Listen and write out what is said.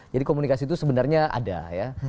jadi komunikasi itu sebenarnya ada ya